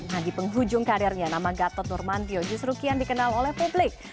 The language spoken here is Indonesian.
nah di penghujung karirnya nama gatot nurmantio justru kian dikenal oleh publik